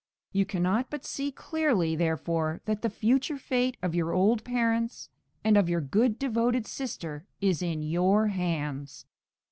You cannot but see clearly, therefore, that the future fate of your old parents, and of your good devoted sister, is in your hands.